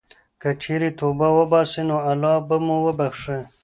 که چېرې توبه وباسئ، نو الله به مو وبښي.